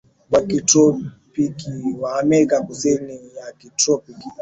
wa kitropiki wa Amerika Kusini ya kitropiki